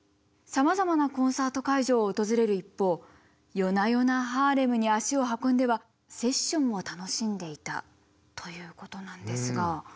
さまざまなコンサート会場を訪れる一方夜な夜なハーレムに足を運んではセッションを楽しんでいたということなんですが。